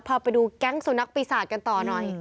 พอไปดูแก๊งสุนัขปีศาจกันต่อหน่อย